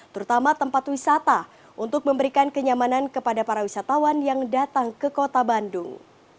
terutama tempat wisata untuk memberikan kenyamanan kepada para wisatawan yang datang ke kota bandung